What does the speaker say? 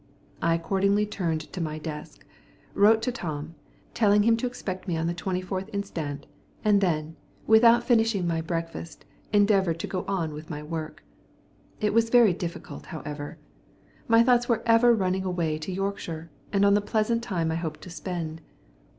I accordingly turned to my desk, wrote to Tom, telling him to expect me on the 24th inst., and then, without finishing my breakfast, endeavoured to go on with my work. It was very difficult, however. My thoughts were ever running away to Yorkshire, and on the pleasant time I hoped to spend.